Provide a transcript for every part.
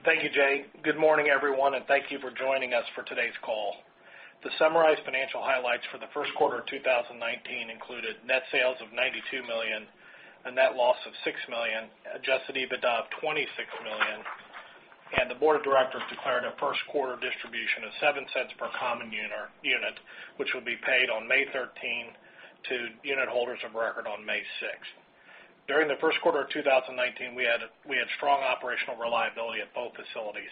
Thank you, Jay. Good morning, everyone, and thank you for joining us for today's call. To summarize financial highlights for the first quarter of 2019 included net sales of $92 million, a net loss of $6 million, adjusted EBITDA of $26 million. The board of directors declared a first quarter distribution of $0.07 per common unit, which will be paid on May 13 to unit holders of record on May 6. During the first quarter of 2019, we had strong operational reliability at both facilities.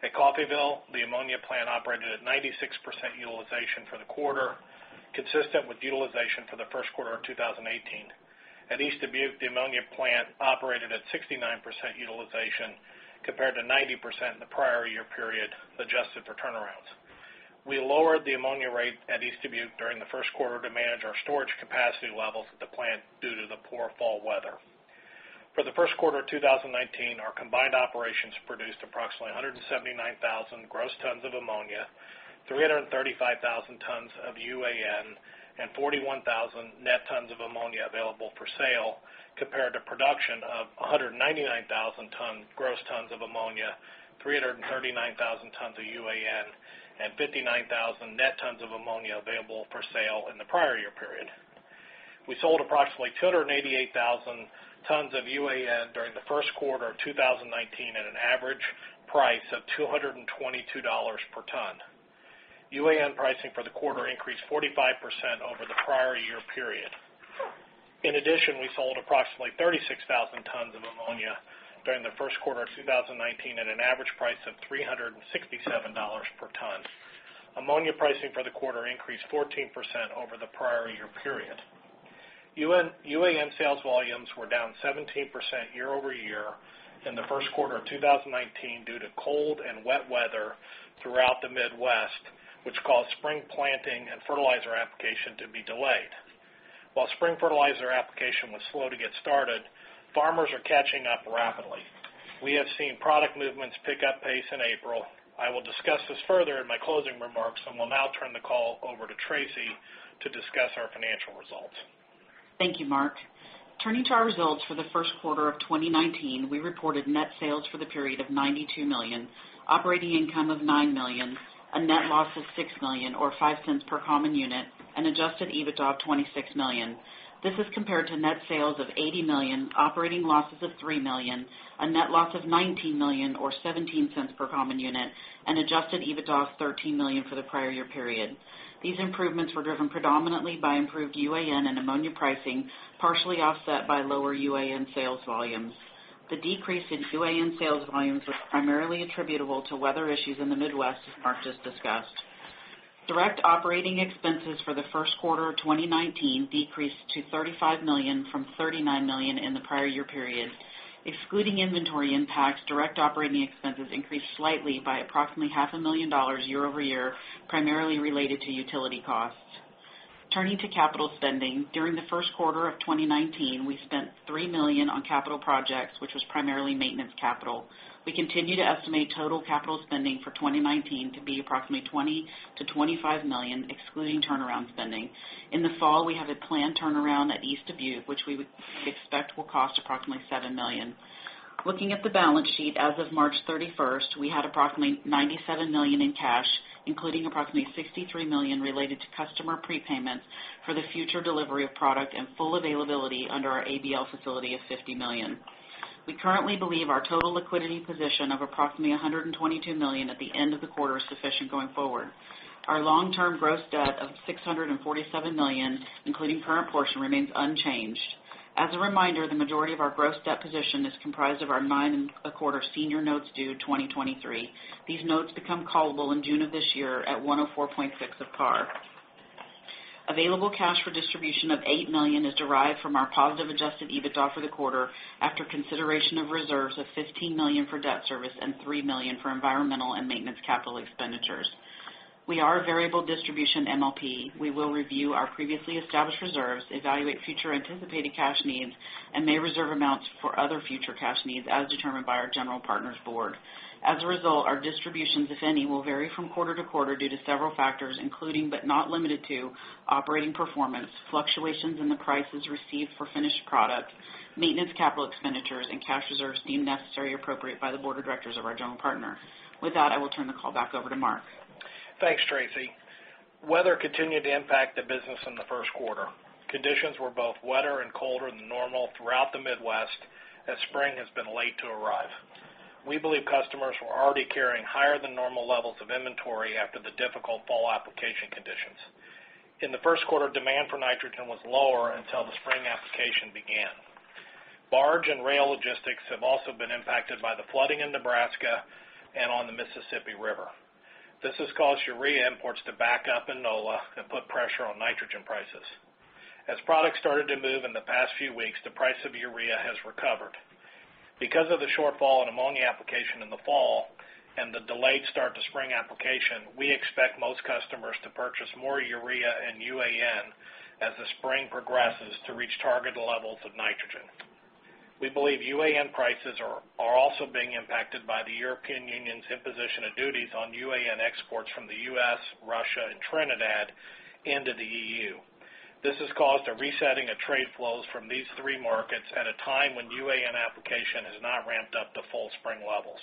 At Coffeyville, the ammonia plant operated at 96% utilization for the quarter, consistent with utilization for the first quarter of 2018. At East Dubuque, the ammonia plant operated at 69% utilization compared to 90% in the prior year period, adjusted for turnarounds. We lowered the ammonia rate at East Dubuque during the first quarter to manage our storage capacity levels at the plant due to the poor fall weather. For the first quarter of 2019, our combined operations produced approximately 179,000 gross tons of ammonia, 335,000 tons of UAN, and 41,000 net tons of ammonia available for sale, compared to production of 199,000 gross tons of ammonia, 339,000 tons of UAN, and 59,000 net tons of ammonia available for sale in the prior year period. We sold approximately 288,000 tons of UAN during the first quarter of 2019 at an average price of $222 per ton. UAN pricing for the quarter increased 45% over the prior year period. In addition, we sold approximately 36,000 tons of ammonia during the first quarter of 2019 at an average price of $367 per ton. Ammonia pricing for the quarter increased 14% over the prior year period. UAN sales volumes were down 17% year-over-year in the first quarter of 2019 due to cold and wet weather throughout the Midwest, which caused spring planting and fertilizer application to be delayed. While spring fertilizer application was slow to get started, farmers are catching up rapidly. We have seen product movements pick up pace in April. I will discuss this further in my closing remarks, and will now turn the call over to Tracy to discuss our financial results. Thank you, Mark. Turning to our results for the first quarter of 2019, we reported net sales for the period of $92 million, operating income of $9 million, a net loss of $6 million or $0.05 per common unit, and adjusted EBITDA of $26 million. This is compared to net sales of $80 million, operating losses of $3 million, a net loss of $19 million or $0.17 per common unit, and adjusted EBITDA of $13 million for the prior year period. These improvements were driven predominantly by improved UAN and ammonia pricing, partially offset by lower UAN sales volumes. The decrease in UAN sales volumes was primarily attributable to weather issues in the Midwest, as Mark just discussed. Direct operating expenses for the first quarter of 2019 decreased to $35 million from $39 million in the prior year period. Excluding inventory impacts, direct operating expenses increased slightly by approximately half a million dollars year-over-year, primarily related to utility costs. Turning to capital spending, during the first quarter of 2019, we spent $3 million on capital projects, which was primarily maintenance capital. We continue to estimate total capital spending for 2019 to be approximately $20 million-$25 million, excluding turnaround spending. In the fall, we have a planned turnaround at East Dubuque, which we would expect will cost approximately $7 million. Looking at the balance sheet as of March 31st, we had approximately $97 million in cash, including approximately $63 million related to customer prepayments for the future delivery of product and full availability under our ABL facility of $50 million. We currently believe our total liquidity position of approximately $122 million at the end of the quarter is sufficient going forward. Our long-term gross debt of $647 million, including current portion, remains unchanged. As a reminder, the majority of our gross debt position is comprised of our 9.250% Senior Notes due 2023. These notes become callable in June of this year at 104.6 of par. Available cash for distribution of $8 million is derived from our positive adjusted EBITDA for the quarter after consideration of reserves of $15 million for debt service and $3 million for environmental and maintenance capital expenditures. We are a variable distribution MLP. We will review our previously established reserves, evaluate future anticipated cash needs, and may reserve amounts for other future cash needs as determined by our general partner's board. As a result, our distributions, if any, will vary from quarter-to-quarter due to several factors including but not limited to operating performance, fluctuations in the prices received for finished product, maintenance capital expenditures, and cash reserves deemed necessary or appropriate by the board of directors of our general partner. With that, I will turn the call back over to Mark. Thanks, Tracy. Weather continued to impact the business in the first quarter. Conditions were both wetter and colder than normal throughout the Midwest as spring has been late to arrive. We believe customers were already carrying higher than normal levels of inventory after the difficult fall application conditions. In the first quarter, demand for Nitrogen was lower until the spring application began. Barge and rail logistics have also been impacted by the flooding in Nebraska and on the Mississippi River. This has caused Urea imports to back up in NOLA and put pressure on Nitrogen prices. As products started to move in the past few weeks, the price of Urea has recovered. Because of the shortfall in ammonia application in the fall and the delayed start to spring application, we expect most customers to purchase more Urea and UAN as the spring progresses to reach target levels of Nitrogen. We believe UAN prices are also being impacted by the European Union's imposition of duties on UAN exports from the U.S., Russia, and Trinidad into the EU. This has caused a resetting of trade flows from these three markets at a time when UAN application has not ramped up to full spring levels.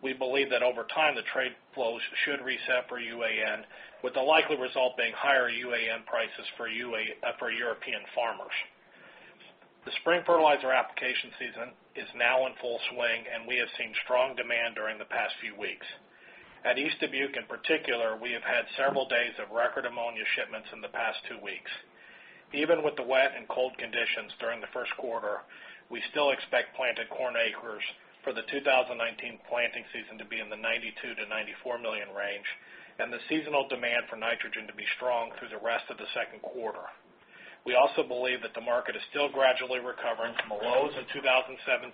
We believe that over time, the trade flows should reset for UAN, with the likely result being higher UAN prices for European farmers. The spring fertilizer application season is now in full swing, and we have seen strong demand during the past few weeks. At East Dubuque in particular, we have had several days of record ammonia shipments in the past two weeks. Even with the wet and cold conditions during the first quarter, we still expect planted corn acres for the 2019 planting season to be in the 92 million-94 million range, and the seasonal demand for nitrogen to be strong through the rest of the second quarter. We also believe that the market is still gradually recovering from the lows in 2017,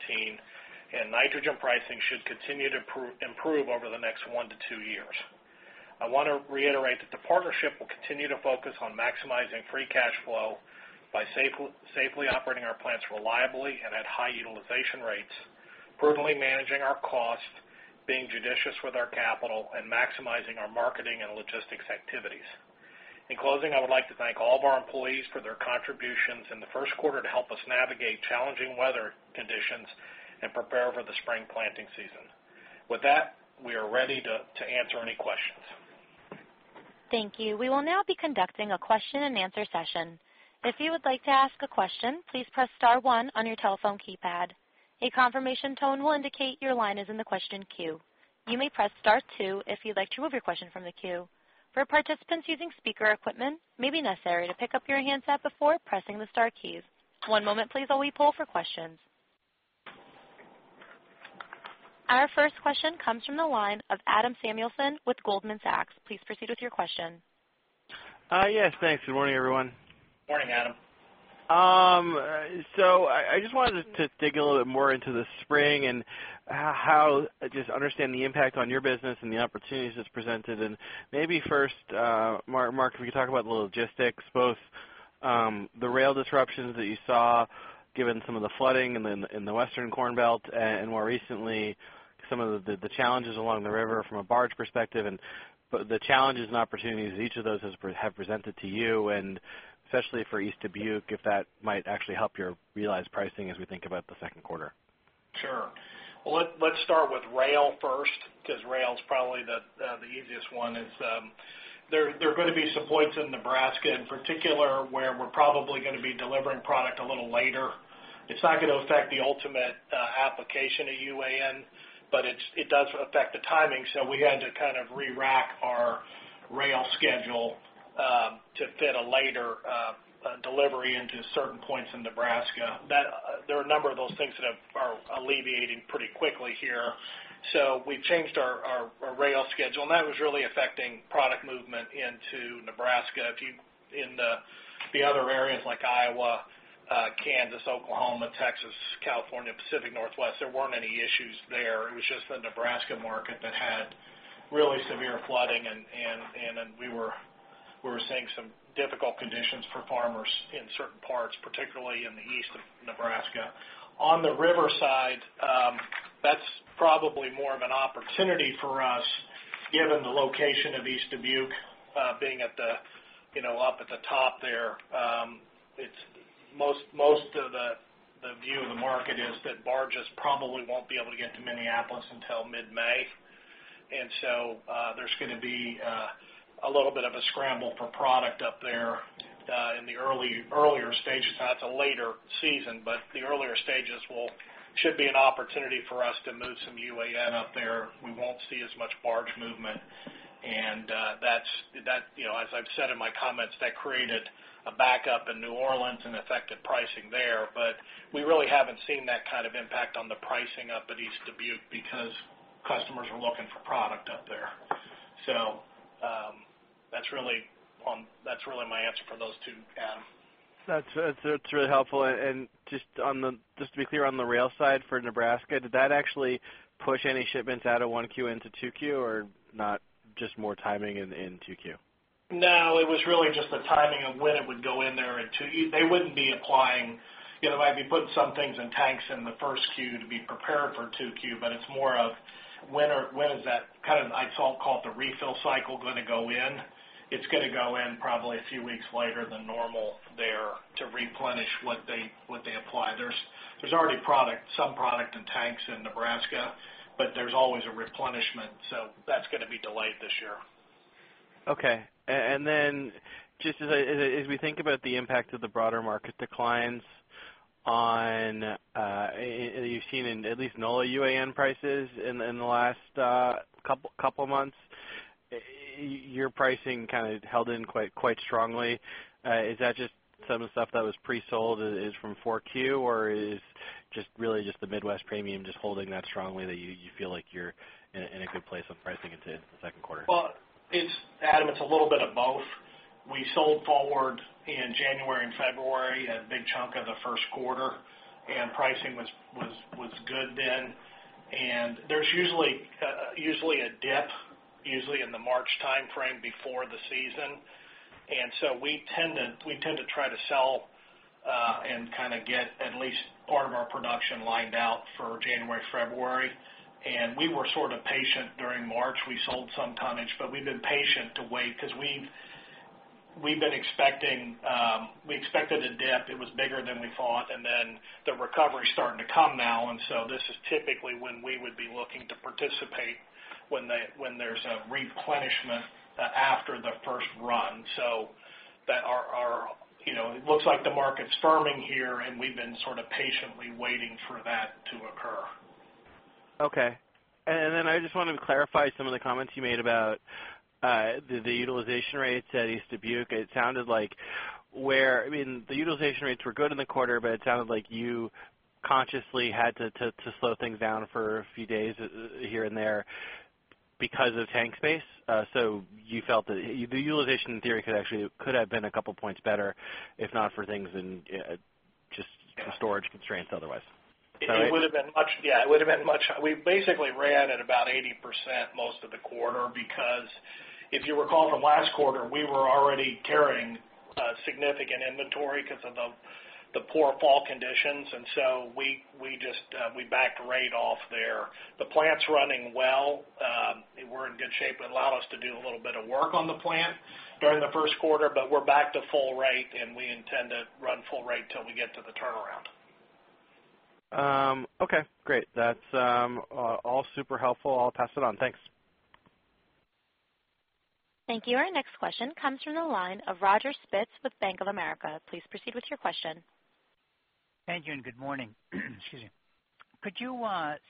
and nitrogen pricing should continue to improve over the next one to two years. I want to reiterate that the partnership will continue to focus on maximizing free cash flow by safely operating our plants reliably and at high utilization rates, prudently managing our costs, being judicious with our capital, and maximizing our marketing and logistics activities. In closing, I would like to thank all of our employees for their contributions in the first quarter to help us navigate challenging weather conditions and prepare for the spring planting season. With that, we are ready to answer any questions. Thank you. We will now be conducting a question and answer session. If you would like to ask a question, please press star one on your telephone keypad. A confirmation tone will indicate your line is in the question queue. You may press star two if you'd like to remove your question from the queue. For participants using speaker equipment, it may be necessary to pick up your handset before pressing the star keys. One moment, please, while we poll for questions. Our first question comes from the line of Adam Samuelson with Goldman Sachs. Please proceed with your question. Yes, thanks. Good morning, everyone. Morning, Adam. I just wanted to dig a little bit more into the spring and just understand the impact on your business and the opportunities it's presented. Maybe first, Mark, if you could talk about the logistics, both the rail disruptions that you saw given some of the flooding in the Western Corn Belt, and more recently, some of the challenges along the river from a barge perspective, and the challenges and opportunities each of those have presented to you, and especially for East Dubuque, if that might actually help your realized pricing as we think about the second quarter. Sure. Well, let's start with rail first, because rail's probably the easiest one. There are going to be some points in Nebraska in particular where we're probably going to be delivering product a little later. It's not going to affect the ultimate application of UAN, but it does affect the timing. We had to kind of re-rack our rail schedule to fit a later delivery into certain points in Nebraska. There are a number of those things that are alleviating pretty quickly here. We've changed our rail schedule, and that was really affecting product movement into Nebraska. In the other areas like Iowa, Kansas, Oklahoma, Texas, California, Pacific Northwest, there weren't any issues there. It was just the Nebraska market that had really severe flooding, and then we were seeing some difficult conditions for farmers in certain parts, particularly in the east of Nebraska. On the river side, that's probably more of an opportunity for us given the location of East Dubuque being up at the top there. Most of the view of the market is that barges probably won't be able to get to Minneapolis until mid-May. There's going to be a little bit of a scramble for product up there in the earlier stages. Not the later season, but the earlier stages should be an opportunity for us to move some UAN up there. We won't see as much barge movement, and as I've said in my comments, that created a backup in New Orleans and affected pricing there. We really haven't seen that kind of impact on the pricing up at East Dubuque because customers are looking for product up there. That's really my answer for those two, Adam. That's really helpful. Just to be clear on the rail side for Nebraska, did that actually push any shipments out of 1Q into 2Q or not? Just more timing in 2Q? No, it was really just the timing of when it would go in there in 2Q. They might be putting some things in tanks in 1Q to be prepared for 2Q, but it's more of when is that kind of, I call it the refill cycle, going to go in? It's going to go in probably a few weeks later than normal there to replenish what they apply. There's already some product in tanks in Nebraska, but there's always a replenishment. That's going to be delayed this year. Okay. Just as we think about the impact of the broader market declines on, you've seen in at least NOLA UAN prices in the last couple of months, your pricing kind of held in quite strongly. Is that just some of the stuff that was pre-sold is from 4Q? Or is just really just the Midwest premium just holding that strongly that you feel like you're in a good place of pricing into the second quarter? Well, Adam, it's a little bit of both. We sold forward in January and February a big chunk of the first quarter, and pricing was good then. There's usually a dip usually in the March timeframe before the season. We tend to try to sell and kind of get at least part of our production lined out for January, February. We were sort of patient during March. We sold some tonnage, but we've been patient to wait because we expected a dip. It was bigger than we thought, and then the recovery's starting to come now. This is typically when we would be looking to participate when there's a replenishment after the first run. It looks like the market's firming here, and we've been sort of patiently waiting for that to occur. Okay. I just wanted to clarify some of the comments you made about the utilization rates at East Dubuque. It sounded like the utilization rates were good in the quarter, but it sounded like you consciously had to slow things down for a few days here and there because of tank space. You felt that the utilization theory could have been a couple of points better, if not for things in just storage constraints otherwise. Is that right? Yeah. We basically ran at about 80% most of the quarter, because if you recall from last quarter, we were already carrying significant inventory because of the poor fall conditions. We backed rate off there. The plant's running well. We're in good shape. It allowed us to do a little bit of work on the plant during the first quarter, but we're back to full rate, and we intend to run full rate till we get to the turnaround. Okay, great. That's all super helpful. I'll pass it on. Thanks. Thank you. Our next question comes from the line of Roger Spitz with Bank of America. Please proceed with your question. Thank you. Good morning. Excuse me. Could you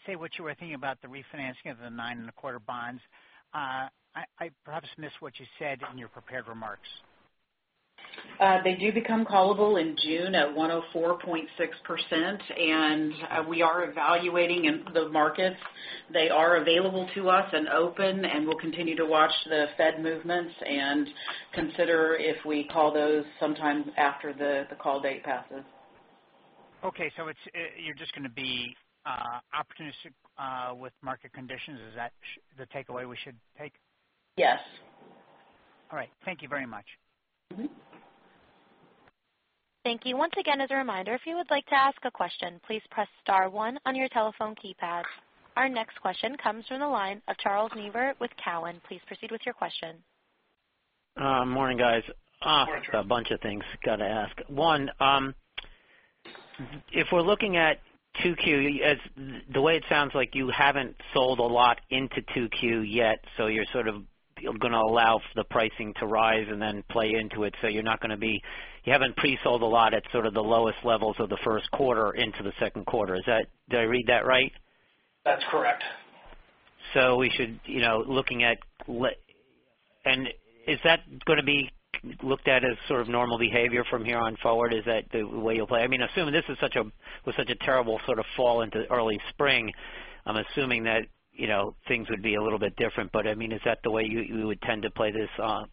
say what you were thinking about the refinancing of the nine and a quarter bonds? I perhaps missed what you said in your prepared remarks. They do become callable in June at 104.6%. We are evaluating the markets. They are available to us and open. We'll continue to watch the Fed movements and consider if we call those sometime after the call date passes. Okay. You're just going to be opportunistic with market conditions. Is that the takeaway we should take? Yes. All right. Thank you very much. Thank you. Once again, as a reminder, if you would like to ask a question, please press star one on your telephone keypad. Our next question comes from the line of Charles Neivert with Cowen. Please proceed with your question. Morning, guys. Morning, Charlie. A bunch of things I got to ask. One, if we're looking at 2Q, the way it sounds like you haven't sold a lot into 2Q yet, you're sort of going to allow the pricing to rise and then play into it. You haven't pre-sold a lot at sort of the lowest levels of the first quarter into the second quarter. Did I read that right? That's correct. Is that going to be looked at as sort of normal behavior from here on forward? Is that the way you'll play? Assuming this was such a terrible sort of fall into early spring, I'm assuming that things would be a little bit different. Is that the way you would tend to play this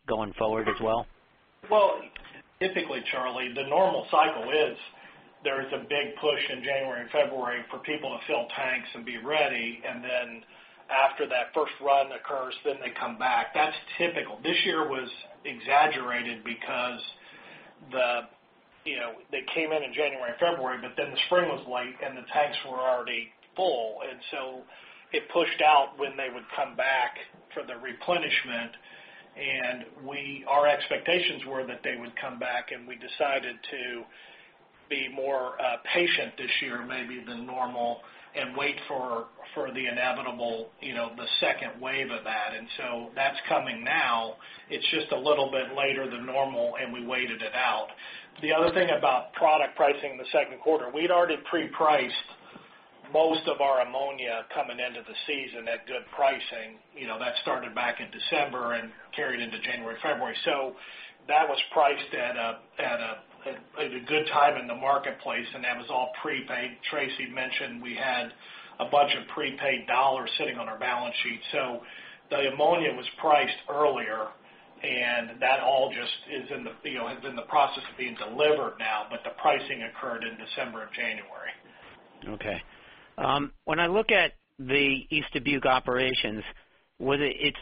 going forward as well? Well, typically, Charlie, the normal cycle is there is a big push in January and February for people to fill tanks and be ready. After that first run occurs, then they come back. That's typical. This year was exaggerated because they came in in January and February, the spring was late and the tanks were already full. It pushed out when they would come back for the replenishment. Our expectations were that they would come back, and we decided to be more patient this year maybe than normal and wait for the inevitable second wave of that. That's coming now. It's just a little bit later than normal, and we waited it out. The other thing about product pricing in the second quarter, we'd already pre-priced most of our ammonia coming into the season at good pricing. That started back in December and carried into January, February. That was priced at a good time in the marketplace, and that was all prepaid. Tracy mentioned we had a bunch of prepaid dollars sitting on our balance sheet. The ammonia was priced earlier, and that all just is in the process of being delivered now, but the pricing occurred in December and January. Okay. When I look at the East Dubuque operations, it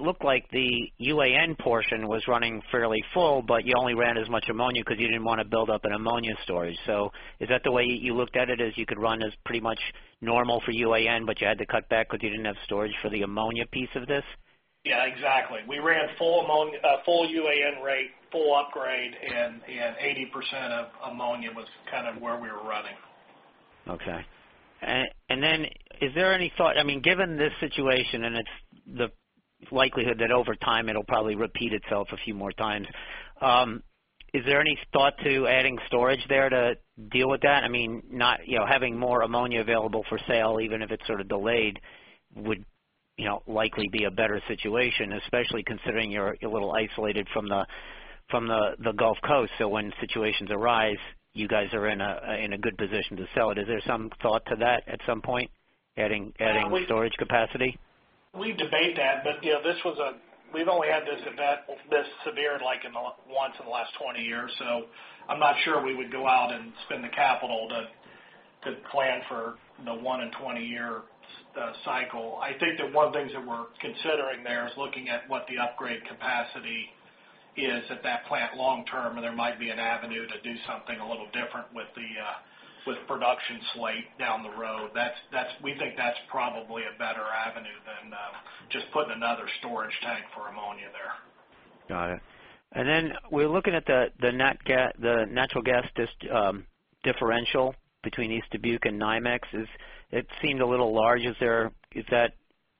looked like the UAN portion was running fairly full, but you only ran as much ammonia because you didn't want to build up an ammonia storage. Is that the way you looked at it, as you could run as pretty much normal for UAN, but you had to cut back because you didn't have storage for the ammonia piece of this? Yeah, exactly. We ran full UAN rate, full upgrade, and 80% of ammonia was kind of where we were running. Okay. Given this situation, and it's the likelihood that over time it'll probably repeat itself a few more times. Is there any thought to adding storage there to deal with that? Having more ammonia available for sale, even if it's sort of delayed, would likely be a better situation, especially considering you're a little isolated from the Gulf Coast. When situations arise, you guys are in a good position to sell it. Is there some thought to that at some point, adding storage capacity? We debate that. We've only had this event this severe once in the last 20 years, so I'm not sure we would go out and spend the capital to plan for the one in 20-year cycle. I think that one of the things that we're considering there is looking at what the upgrade capacity is at that plant long-term, and there might be an avenue to do something a little different with production slate down the road. We think that's probably a better avenue than just putting another storage tank for ammonia there. Got it. We're looking at the natural gas differential between East Dubuque and NYMEX. It seemed a little large.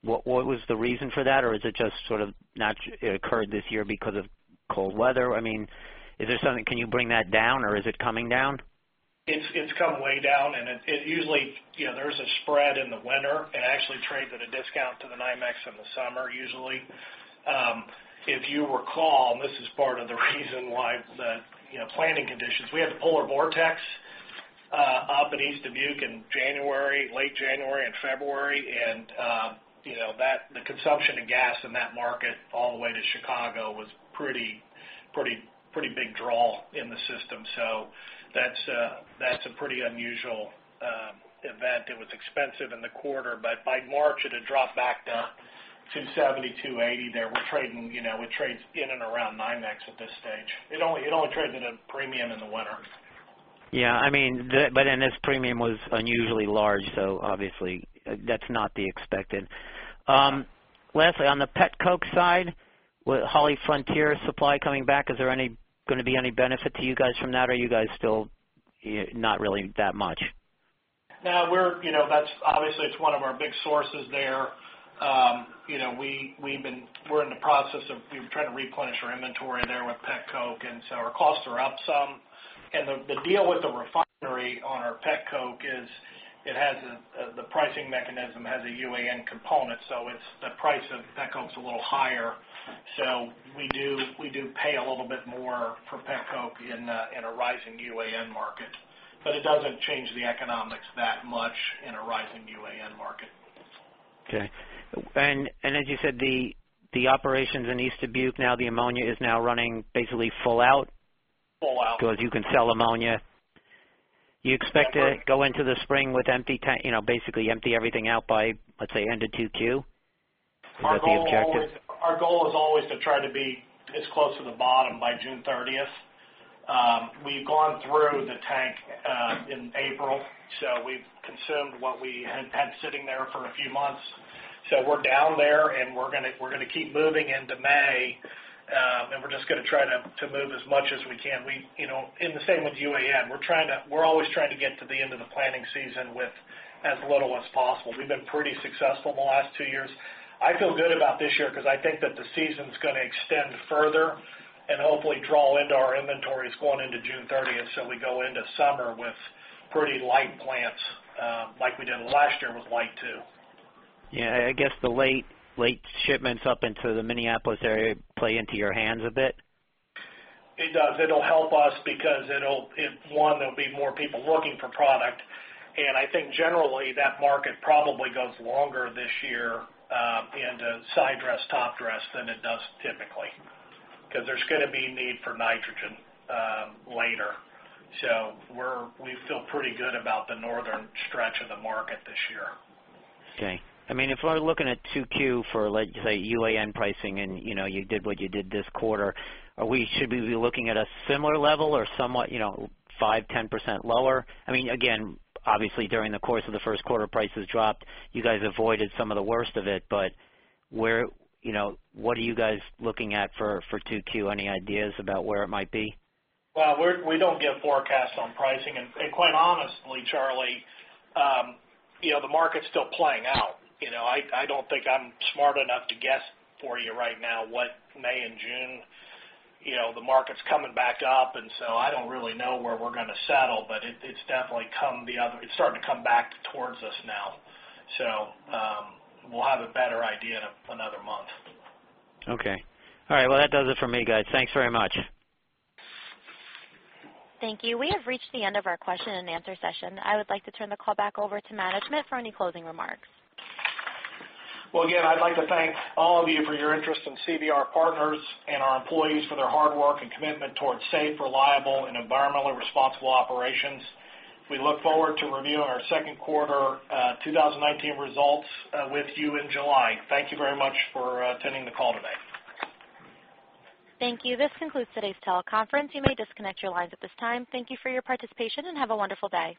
What was the reason for that? Is it just sort of occurred this year because of cold weather? I mean, is there something, can you bring that down or is it coming down? It's come way down. It usually there's a spread in the winter. It actually trades at a discount to the NYMEX in the summer usually. If you recall, this is part of the reason why the planning conditions. We had the polar vortex up in East Dubuque in January, late January and February, and the consumption of gas in that market all the way to Chicago was pretty big draw in the system. That's a pretty unusual event. It was expensive in the quarter, by March it had dropped back to $270, $280 there. We're trading in and around NYMEX at this stage. It only trades at a premium in the winter. Yeah. I mean, this premium was unusually large, obviously that's not the expected. Yeah. Lastly, on the petroleum coke side, with HollyFrontier supply coming back, is there going to be any benefit to you guys from that or you guys still not really that much? No. Obviously, it's one of our big sources there. We're in the process of trying to replenish our inventory there with petroleum coke. Our costs are up some. The deal with the refinery on our petroleum coke is the pricing mechanism has a UAN component. The price of petroleum coke's a little higher. We do pay a little bit more for petroleum coke in a rising UAN market. It doesn't change the economics that much in a rising UAN market. Okay. As you said, the operations in East Dubuque now, the ammonia is now running basically full out? Full out. As you can sell ammonia. Definitely. You expect to go into the spring with basically empty everything out by, let's say, end of 2Q? Is that the objective? Our goal is always to try to be as close to the bottom by June 30th. We've gone through the tank in April, we've consumed what we had had sitting there for a few months. We're down there and we're going to keep moving into May. We're just going to try to move as much as we can. The same with UAN. We're always trying to get to the end of the planting season with as little as possible. We've been pretty successful in the last two years. I feel good about this year because I think that the season's going to extend further and hopefully draw into our inventories going into June 30th, so we go into summer with pretty light plants. Like we did last year was light too. Yeah, I guess the late shipments up into the Minneapolis area play into your hands a bit. It does. It'll help us because it'll, one, there'll be more people looking for product. I think generally that market probably goes longer this year into sidedress, topdress than it does typically. There's going to be need for nitrogen later. We feel pretty good about the northern stretch of the market this year. Okay. I mean, if we're looking at 2Q for, let's say, UAN pricing and you did what you did this quarter, should we be looking at a similar level or somewhat five, 10% lower? I mean, again, obviously during the course of the first quarter, prices dropped. You guys avoided some of the worst of it. What are you guys looking at for 2Q? Any ideas about where it might be? Well, we don't give forecasts on pricing. Quite honestly, Charlie, the market's still playing out. I don't think I'm smart enough to guess for you right now what May and June. The market's coming back up, I don't really know where we're going to settle, it's starting to come back towards us now. We'll have a better idea in another month. Okay. All right. Well, that does it for me, guys. Thanks very much. Thank you. We have reached the end of our question and answer session. I would like to turn the call back over to management for any closing remarks. Well, again, I'd like to thank all of you for your interest in CVR Partners and our employees for their hard work and commitment towards safe, reliable, and environmentally responsible operations. We look forward to reviewing our second quarter 2019 results with you in July. Thank you very much for attending the call today. Thank you. This concludes today's teleconference. You may disconnect your lines at this time. Thank you for your participation, and have a wonderful day.